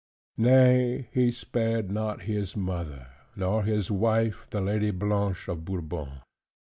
Nay, he spared not his mother, nor his wife the Lady Blanche of Bourbon.